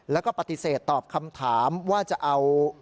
แล้วก็ปฏิเสธตอบคำถามว่าจะเอา